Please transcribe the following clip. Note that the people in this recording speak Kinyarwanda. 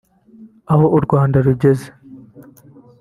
Aho u Rwanda rugeze